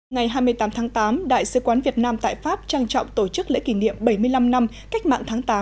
ngày hai mươi tám tháng tám đại sứ quán việt nam tại pháp trang trọng tổ chức lễ kỷ niệm bảy mươi năm năm cách mạng tháng tám